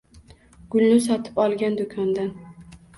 Gulni sotib olgan do‘kondan.